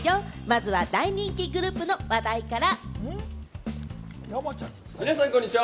まずは大人気グループの話題から。